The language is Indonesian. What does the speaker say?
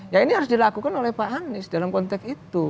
ya ini harus dilakukan oleh pak anies dalam konteks itu